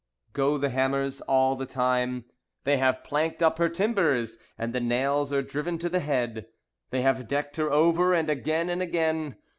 Go the hammers all the time. They have planked up her timbers And the nails are driven to the head; They have decked her over, And again, and again.